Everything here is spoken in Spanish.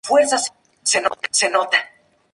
Fue creado, y actualizado por Wil Palma.